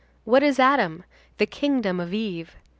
What is Adam? The kingdom of Eve.